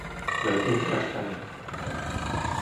Veľké Chrašťany